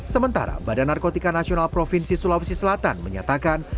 sementara badan narkotika nasional provinsi sulawesi selatan menyatakan